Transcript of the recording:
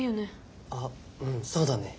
あっうんそうだね。